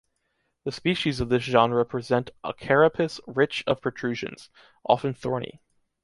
The species of this genre present a carapace rich of protrusions, often thorny.